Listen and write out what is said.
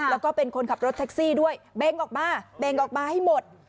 แล้วก็เป็นคนขับรถแท็กซี่ด้วยเบงออกมาเบงออกมาให้หมด